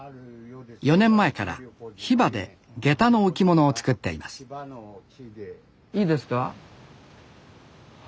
４年前からヒバでゲタの置物を作っていますいいですか？